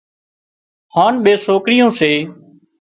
هانَ ٻي سوڪريون سي۔